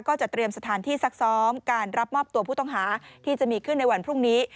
ก็จะเตรียมสถานที่ซักซ้อมการรับมอบตัวผู้ต้องหาที่จะมีขึ้นในวันพรุ่งนี้